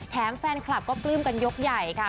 แฟนคลับก็ปลื้มกันยกใหญ่ค่ะ